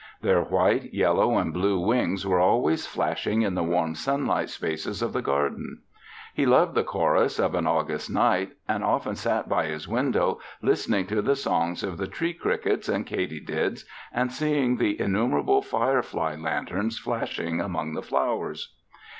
Their white, yellow and blue wings were always flashing in the warm sunlit spaces of the garden. He loved the chorus of an August night and often sat by his window listening to the songs of the tree crickets and katydids and seeing the innumerable firefly lanterns flashing among the flowers.